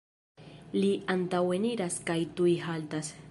Li antaŭeniras kaj tuj haltas.